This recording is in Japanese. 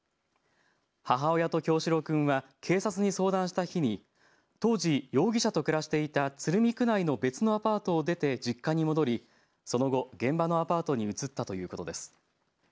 母親と叶志郎君は警察に相談した日に当時、容疑者と暮らしていた鶴見区内の別のアパートを出て実家に戻りその後、現場のアパートに移ったということです。